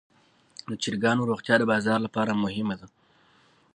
د چرګانو روغتیا د بازار لپاره مهمه ده.